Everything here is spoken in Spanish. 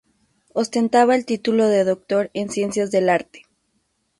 Ostentaba el título de doctor en ciencias del arte.